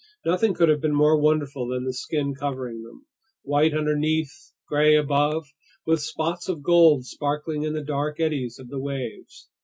Nothing could have been more wonderful than the skin covering them: white underneath, gray above, with spots of gold sparkling in the dark eddies of the waves.